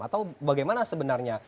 atau bagaimana sebenarnya